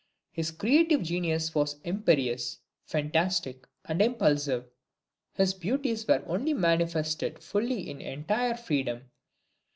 His creative genius was imperious, fantastic and impulsive. His beauties were only manifested fully in entire freedom.